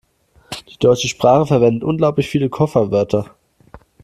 Die deutsche Sprache verwendet unglaublich viele Kofferwörter.